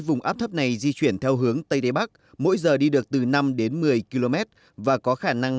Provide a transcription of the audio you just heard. vùng áp thấp này di chuyển theo hướng tây đế bắc mỗi giờ đi được từ năm đến một mươi km và có khả năng